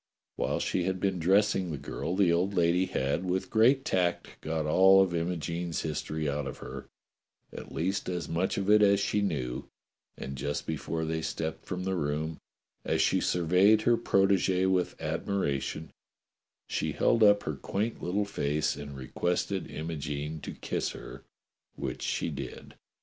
\\Tiile she had been dressing the girl the old lady had with great tact got all of Imogene's history out of her, at least as much of it as she knew, and just before they stepped from the room, as she surveyed her protegee with admiration, she held up her little quaint face and requested Imogene to kiss her, which she did.